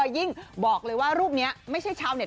ยิ่งบอกเลยว่ารูปนี้ไม่ใช่ชาวเต็